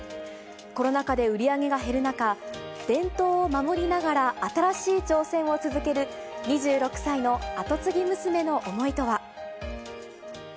コロナ禍で売り上げが減る中、伝統を守りながら新しい挑戦を続ける、２６歳の後継ぎ娘の思いとは。